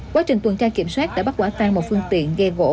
quá trình tuần tra kiểm soát đã bắt quả tan một phương tiện ghe gỗ